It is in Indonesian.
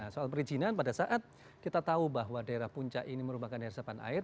soal perizinan pada saat kita tahu bahwa daerah puncak ini merupakan daerah sepan air